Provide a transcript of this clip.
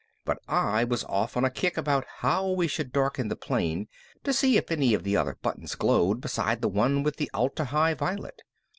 But I was off on a kick about how we should darken the plane to see if any of the other buttons glowed beside the one with the Atla Hi violet.